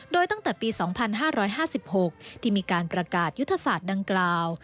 โดยตั้งแต่ปี๒๕๕๖ที่มีการประกาศยุทธศาสตร์ดังกล่าว